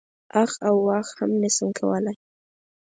اخ او واخ هم نه شم کولای.